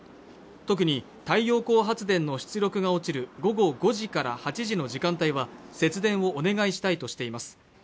特に太陽光発電の出力が落ちる午後５時から８時の時間帯は節電をお願いしたいとしています